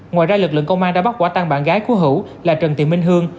ngoài ra lực lượng công an đã bắt quả tăng bạn gái của hữu là trần thị minh hương